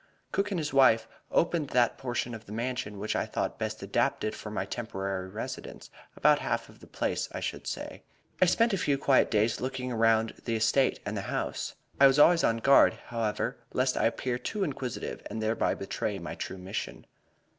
Cook and his wife opened that portion of the Mansion which I thought best adapted for my temporary residence about half of the place, I should say. I spent a few quiet days looking around the estate and the house. I was always on guard, however, lest I appear too inquisitive and thereby betray my true mission.